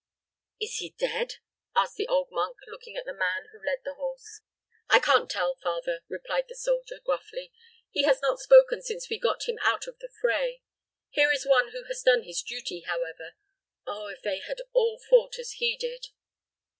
"Is he dead?" asked the old monk, looking at the man who led the horse. "I can't tell, father," replied the soldier, gruffly. "He has not spoken since we got him out of the fray. Here is one who has done his duty, however. Oh, if they had all fought as he did!"